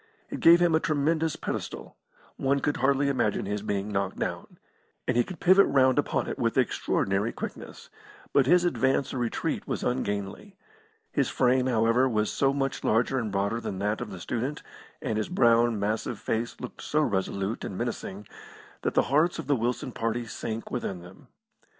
It gave him a tremendous pedestal; one could hardly imagine his being knocked down. And he could pivot round upon it with extraordinary quickness; but his advance or retreat was ungainly. His frame, however, was so much larger and broader than that of the student, and his brown, massive face looked so resolute and menacing that the hearts of the Wilson party sank within them.